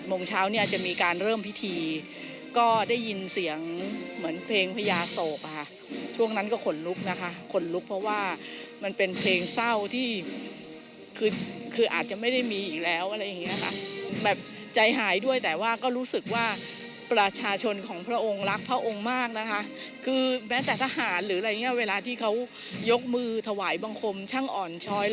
โมงเช้าเนี่ยจะมีการเริ่มพิธีก็ได้ยินเสียงเหมือนเพลงพญาโศกค่ะช่วงนั้นก็ขนลุกนะคะขนลุกเพราะว่ามันเป็นเพลงเศร้าที่คือคืออาจจะไม่ได้มีอีกแล้วอะไรอย่างเงี้ยค่ะแบบใจหายด้วยแต่ว่าก็รู้สึกว่าประชาชนของพระองค์รักพระองค์มากนะคะคือแม้แต่ทหารหรืออะไรอย่างเงี้ยเวลาที่เขายกมือถวายบังคมช่างอ่อนช้อย